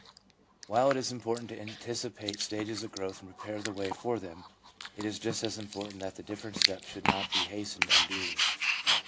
While it is important to anticipate stages of growth and prepare the way for them, it is just as important that the different steps should not be hastened unduly.